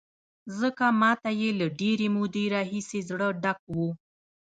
ځکه ما ته یې له ډېرې مودې راهیسې زړه ډک و.